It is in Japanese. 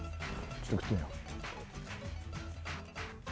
ちょっと食ってみよ。